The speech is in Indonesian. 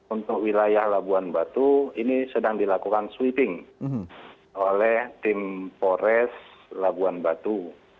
untuk wilayah labuan batu ini sedang dilakukan sweeping oleh tim pores labuan batu